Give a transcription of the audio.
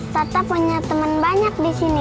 kata punya temen banyak di sini